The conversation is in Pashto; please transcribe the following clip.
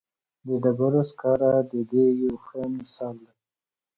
د ډبرو سکاره د دې یو ښه مثال دی.